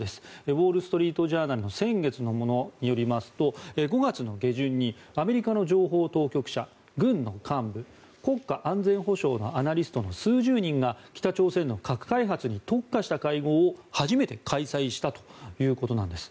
ウォール・ストリート・ジャーナルの先月のものによりますと５月の下旬にアメリカの情報当局者、軍の幹部国家安全保障のアナリストの数十人が北朝鮮の核開発に特化した会合を初めて開催したということなんです。